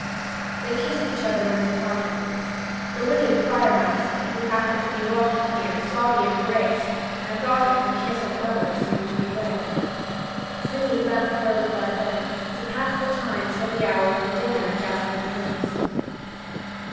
They kissed each other when they parted. The wicked choir master, who happened to be walking near, saw the embrace and thought it the kiss of lovers soon to be wed. Drood left Rosebud then, to pass the time till the hour of the dinner in Jasper's rooms.